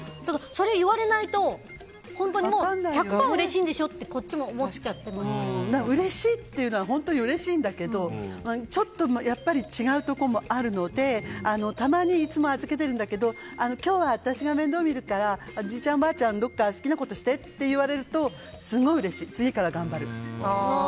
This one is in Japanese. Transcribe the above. それ言われないと、本当に１００％うれしいんでしょってうれしいというのは本当にうれしいんだけどちょっとやっぱり違うところもあるのでたまに、いつも預けてるんだけど今日は私が面倒を見るからおじいちゃん、おばあちゃんはどこか好きなことしてって言われると、すごいうれしい。